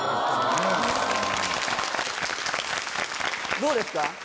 どうですか？